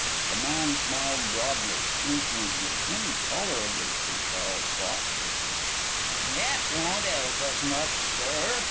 The man smiled broadly, insolently, intolerably, Sir Charles thought. "That won't 'elp us much, sir.